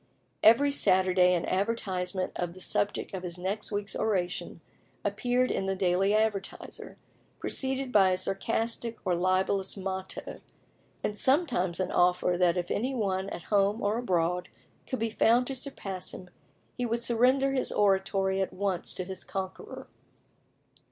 Every Saturday an advertisement of the subject of his next week's oration appeared in the Daily Advertiser, preceded by a sarcastic or libellous motto, and sometimes an offer that if any one at home or abroad could be found to surpass him, he would surrender his Oratory at once to his conqueror.